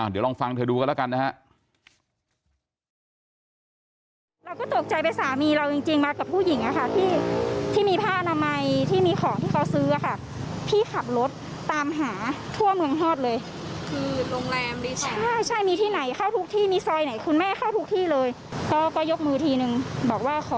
เดี๋ยวลองฟังเธอดูกันแล้วกันนะฮะ